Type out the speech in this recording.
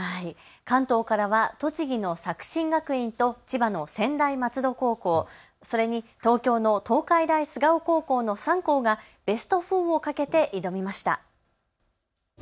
関東からは栃木の作新学院と千葉の専大松戸高校、それに東京の東海大菅生高校の３校がベスト４をかけて挑みました。